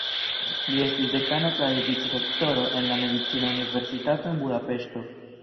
Li estis dekano kaj vicrektoro en la medicina universitato en Budapeŝto.